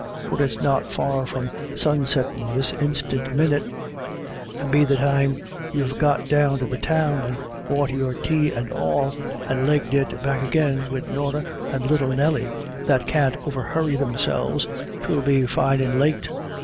" For it's not far from sunsettin' this instiant minit ; and be the time you've got down to the Town, and bought your tay and all, and legged it back agin wid Norah and little Nelly, that can't overhurry themselves, 'twill be fine and late.